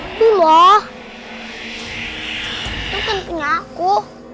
itu kan punya aku